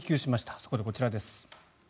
そこでこちらです。